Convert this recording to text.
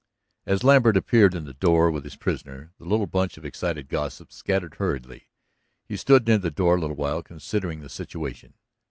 As Lambert appeared in the door with his prisoner the little bunch of excited gossips scattered hurriedly. He stood near the door a little while, considering the situation.